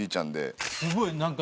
すごい何か。